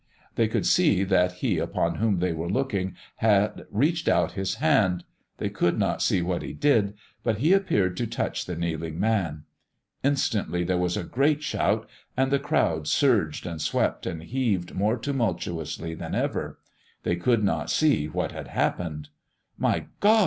They could see that He upon whom they were looking had reached out His hand. They could not see what He did, but He appeared to touch the kneeling man. Instantly there was a great shout, and the crowd surged and swept and heaved more tumultuously than ever. They could not see what had happened. "My God!"